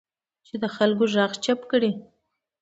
چې د خلکو غږ چپ کړي